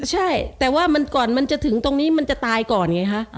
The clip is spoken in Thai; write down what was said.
ใช่แต่ว่ามันก่อนมันจะถึงตรงนี้มันจะตายก่อนไงฮะ